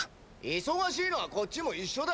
忙しいのはこっちも一緒だ！